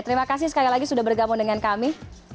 terima kasih sekali lagi sudah bergabung dengan kami